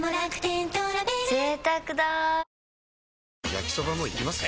焼きソバもいきます？